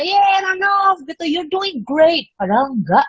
you're doing great padahal gak